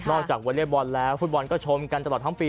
จากวอเล็กบอลแล้วฟุตบอลก็ชมกันตลอดทั้งปี